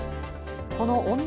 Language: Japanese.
この女